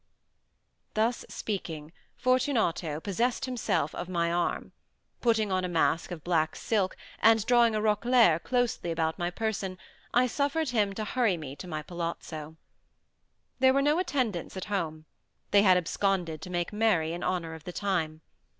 Thus speaking, Fortunato possessed himself of my arm. Putting on a mask of black silk, and drawing a roquelaire closely about my person, I suffered him to hurry me to my palazzo. There were no attendants at home; they had absconded to make merry in honor of the time.